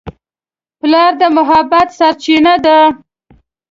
پلار د محبت سرچینه ده.